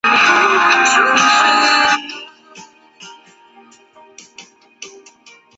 弗里堡州在这附近也拥有三块位于沃州境内的飞地。